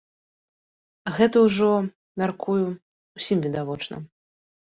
Гэта ўжо, мяркую, усім відавочна.